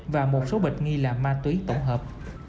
và một số bịch nghi là ma túy tổng hợp